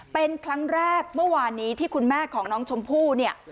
เป็นครั้งแรกเมื่อวานนี้ที่คุณแม่ของน้องชมพู่เนี่ย